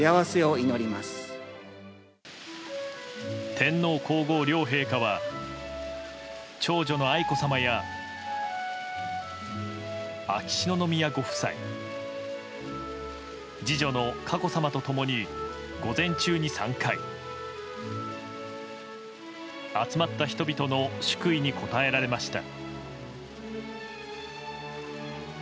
天皇・皇后両陛下は長女の愛子さまや秋篠宮ご夫妻次女の佳子さまと共に午前中に３回、集まった人々の祝意に応えられました。